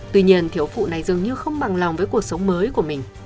tuy nhiên thiếu phụ này dường như không bằng lòng với cuộc sống mới của mình